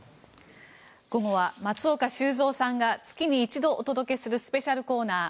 午後は松岡修造さんが月に一度お届けするスペシャルコーナー